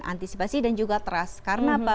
antisipasi dan juga trust karena apa